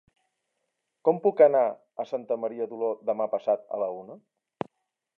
Com puc anar a Santa Maria d'Oló demà passat a la una?